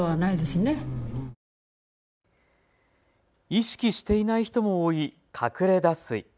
意識していない人も多い隠れ脱水。